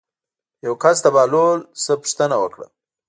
یو کس د بهلول نه پوښتنه وکړه.